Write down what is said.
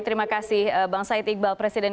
terima kasih bang said iqbal presiden